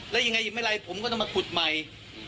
แล้วยังไงไม่ไรผมก็ต้องมาขุดใหม่